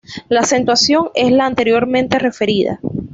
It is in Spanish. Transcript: La acentuación es la anteriormente referida.